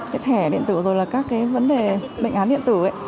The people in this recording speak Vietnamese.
cái thẻ điện tử rồi là các cái vấn đề bệnh án điện tử ấy